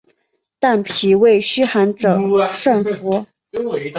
但脾胃虚寒者慎服。